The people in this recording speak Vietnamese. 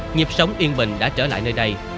nhịp sống yên bình đã trở lại nơi đây